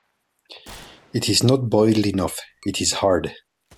It is not boiled enough; it is hard.